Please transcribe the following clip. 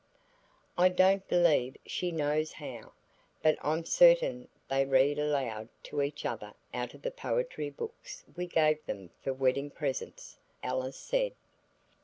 "I don't believe she knows how, but I'm certain they read aloud to each other out of the poetry books we gave them for wedding presents," Alice said.